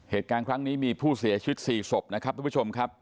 เหตุการณ์ครั้งนี้มีผู้เสียชีวิต๔ศพนะครับทุกผู้ชมครับ